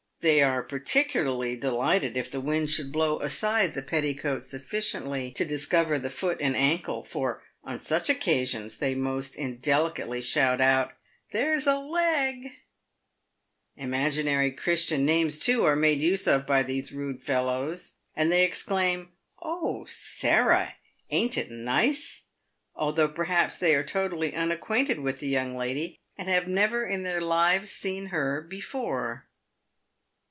They are particularly delighted if the wind should blow aside the petticoat sufficiently to discover the foot and ankle, for on such occasions they most indelicately shout out, " There's a leg !" Imaginary Christian names, too, are made use of by these rude fellows, and they exclaim, " Oh, Sarah! ain't it nice ?" although, perhaps, they are totally unac quainted with the young lady, and have never in their lives seen her before.